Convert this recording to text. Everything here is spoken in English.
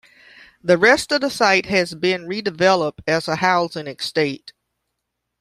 The rest of the site has been redeveloped as a housing estate.